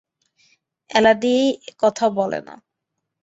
এলাদি কথা বলে না!